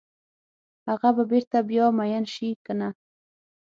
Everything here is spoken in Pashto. هغه به بیرته بیا میین شي کنه؟